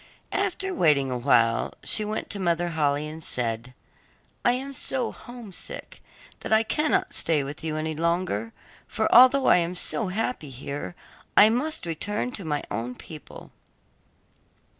After waiting awhile, she went to Mother Holle and said, 'I am so homesick, that I cannot stay with you any longer, for although I am so happy here, I must return to my own people.